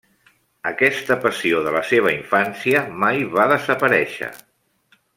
Aquesta passió de la seva infància mai va desaparèixer.